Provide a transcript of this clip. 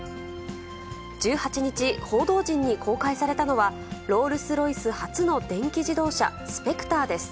１８日、報道陣に公開されたのは、ロールスロイス初の電気自動車、スペクターです。